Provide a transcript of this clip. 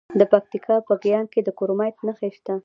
د پکتیکا په ګیان کې د کرومایټ نښې شته.